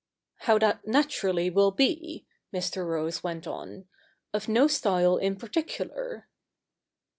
' How that naturally will be,' Mr. Rose went on, ' of no style in particular.'